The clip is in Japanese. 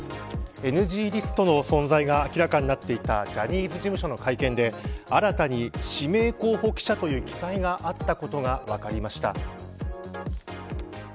ＮＧリストの存在が明らかになっていたジャニーズ事務所の会見で新たに指名候補記者という記載があったことが分かりました。